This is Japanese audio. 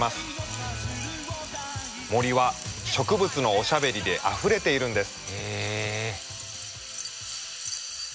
森は植物のおしゃべりであふれているんです。